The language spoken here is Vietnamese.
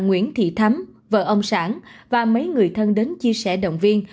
bà nguyễn thị thấm vợ ông sản và mấy người thân đến chia sẻ động viên